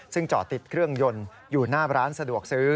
ซึ่งจอดติดเครื่องยนต์อยู่หน้าร้านสะดวกซื้อ